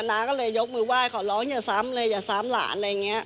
น้าก็เลยยกมือไหว้ขอร้องอย่าซ้ำเลยอย่าซ้ำหลานอะไรอย่างนี้